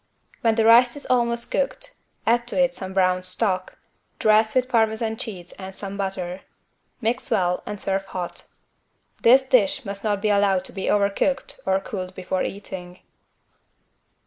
When the rice is almost cooked, add to it some brown stock. Dress with parmesan cheese and some butter. Mix well and serve hot. This dish must not be allowed to be overcooked or cooled before eating.